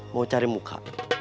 mau cari muka